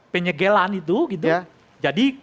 penyegelan itu gitu jadi